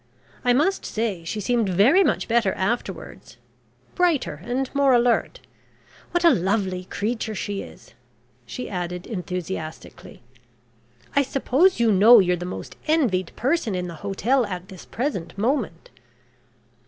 I must say she seemed much better afterwards. Brighter and more alert. What a lovely creature she is!" she added enthusiastically. "I suppose you know you're the most envied person in the hotel at this present moment?"